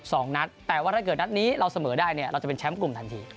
สองนัดแต่ว่าถ้าเกิดนัดนี้เราเสมอได้เนี่ยเราจะเป็นแชมป์กลุ่มทันที